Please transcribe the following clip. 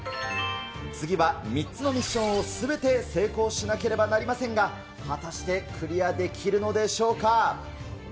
次は３つのミッションをすべて成功しなければなりませんが、果たしてクリアできるのでしょうか。